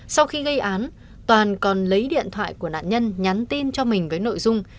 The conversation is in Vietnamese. sau khi gây án toàn còn lấy điện thoại của nạn nhân nhắn tin cho mình với nội dung